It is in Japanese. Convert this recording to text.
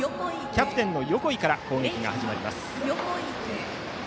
キャプテンの横井から攻撃が始まります。